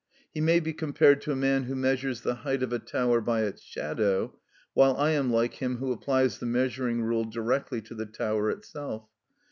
He may be compared to a man who measures the height of a tower by its shadow, while I am like him who applies the measuring rule directly to the tower itself.